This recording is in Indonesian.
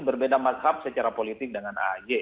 berbeda mazhab secara politik dengan ahy